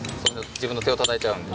自分の手をたたいちゃうんで。